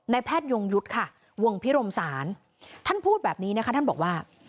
แพทยงยุทธ์ค่ะวงพิรมศาลท่านพูดแบบนี้นะคะท่านบอกว่า